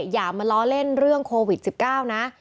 อย่ามาล้อเล่นเรื่องโควิด๑๙นะ